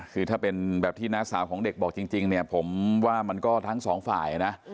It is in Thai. คือถ้าเป็นแบบที่น้าสาวของเด็กบอกจริงเนี่ยผมว่ามันก็ทั้งสองฝ่ายนะ